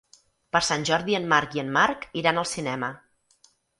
Per Sant Jordi en Marc i en Marc iran al cinema.